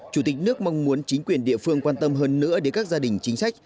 chủ tịch nước mong muốn chính quyền địa phương quan tâm hơn nữa đến các gia đình chính sách